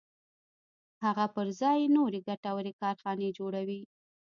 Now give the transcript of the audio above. هغه پر ځای یې نورې ګټورې کارخانې جوړوي